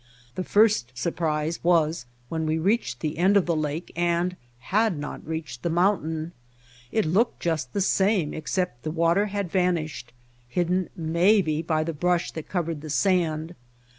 The first surprise was when we reached the end of the lake and had not reached the moun tain. It looked just the same except that the water had vanished — hidden maybe by the brush that covered the sand.